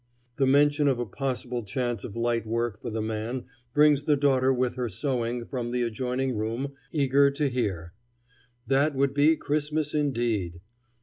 The mention of a possible chance of light work for the man brings the daughter with her sewing from the adjoining room, eager to hear. That would be Christmas indeed!